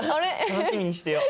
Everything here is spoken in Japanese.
楽しみにしてよう。